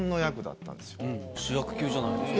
主役級じゃないですか。